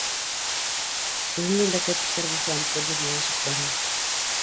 Үҙемдең дә керпектәр боҫланып, бер-береһенә йәбешеп бара.